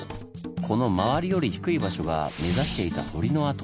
この周りより低い場所が目指していた堀の跡。